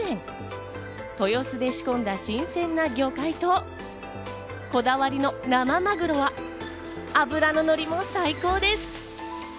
豊洲で仕入れた新鮮な魚介とこだわりの生マグロは脂のノリも最高です。